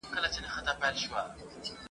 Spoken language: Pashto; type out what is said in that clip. نه دوستي نه دښمني وي نه یاري وي نه ګوندي وي ..